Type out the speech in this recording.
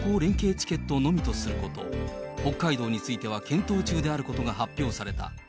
チケットのみとすること、北海道については検討中であることが発表された。